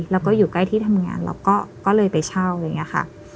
แล้วก็อยู่ใกล้ที่ทำงานเราก็เลยไปเช่าอย่างนี้ค่ะ